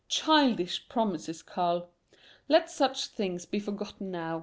Childish promises, Karl. Let such things be forgotten now.